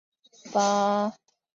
分处首长职称为分处处长。